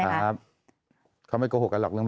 แต่ได้ยินจากคนอื่นแต่ได้ยินจากคนอื่น